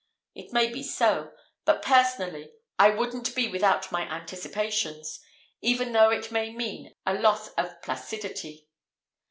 It may be so; but personally, I wouldn't be without my anticipations, even though it may mean a loss of placidity.